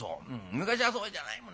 昔はそうじゃないもん。